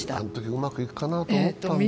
うまくいくかなと思ってたんです。